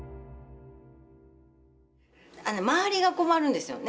周りが困るんですよね